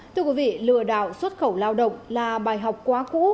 thưa quý vị lừa đảo xuất khẩu lao động là bài học quá cũ